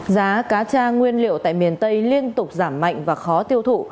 giá cá cha nguyên liệu tại miền tây liên tục giảm mạnh và khó tiêu thụ